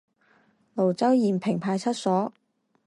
蘆洲延平派出所